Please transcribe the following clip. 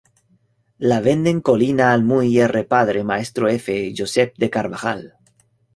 Le venden Colina al muy R. Padre Maestro F. Joseph de Carvajal.